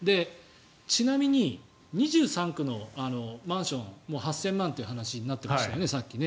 ちなみに、２３区のマンション８０００万円という話にさっきなってましたね。